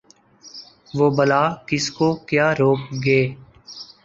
وہ بلا کس کو کیا روک گے